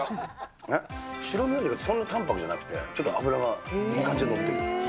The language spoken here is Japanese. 白身よりそんな淡白じゃなくて、ちょっと脂がいい感じで乗ってる。